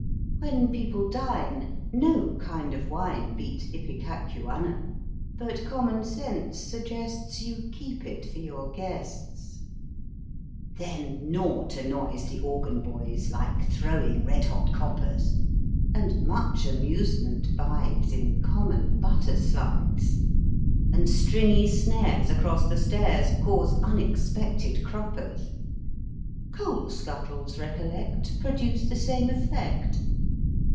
When people dine no kind of wine beats ipecacuanha, But common sense suggests You keep it for your gruests â Then naught annoys the organ boys like throwing red hot coppers. And much amusement bides In common butter slides; And stringy snares across the stairs cause unexpected croppers. Coal scuttles, recollect. Produce the same effect.